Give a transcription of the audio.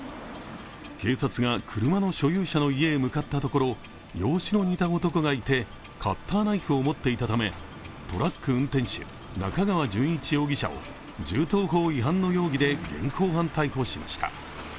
警察が車の所有者の家へ向かったところ、容姿の似た男がいてカッターナイフを持っていたためトラック運転手、中川淳一容疑者を銃刀法違反の容疑で現行犯逮捕しました。